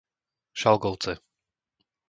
Šalgovce